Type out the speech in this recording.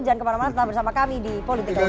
jangan kemana mana tetap bersama kami di politik kursi